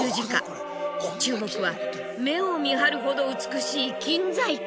注目は目をみはるほど美しい金細工。